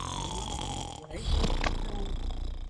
全区间均位于中部山岳国立公园内。